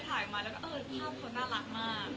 ถ่ายมาภาพเค้าน่ารักมาก